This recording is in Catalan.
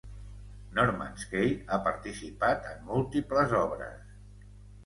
Norman's Cay ha participat en múltiples obres.